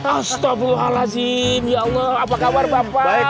astagfirullahaladzim ya allah apa kabar bapak